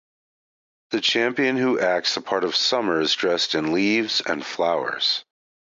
The champion who acts the part of Summer is dressed in leaves and flowers.